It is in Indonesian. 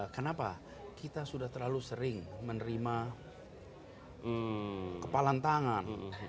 karena kita sudah terlalu sering menerima kepalan tangan